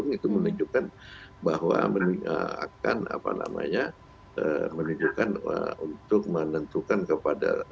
men seminatakan berasal dari bahasa bahasa tunggu yang tidak langsung itu men fbi razasain e